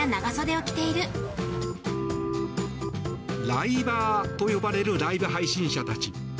ライバーと呼ばれるライブ配信者たち。